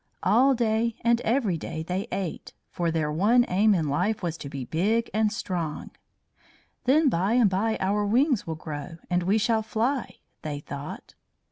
All day and every day they ate, for their one aim in life was to be big and strong. "Then by and by our wings will grow and we shall fly," they thought.